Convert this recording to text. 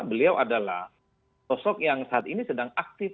beliau adalah sosok yang saat ini sedang aktif